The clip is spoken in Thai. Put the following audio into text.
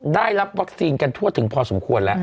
ได้รับวัคซีนกันทั่วถึงพอสมควรแล้ว